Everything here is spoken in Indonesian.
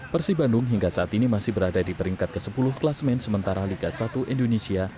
persib bandung hingga saat ini masih berada di peringkat ke sepuluh kelas main sementara liga satu indonesia